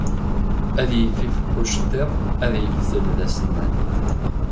Ad yifif ucettiḍ ad yeftel d asennan